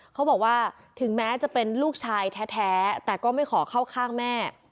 เขาบอกว่าถึงแม้จะเป็นลูกชายแท้แต่ก็ไม่ขอเข้าข้างแม่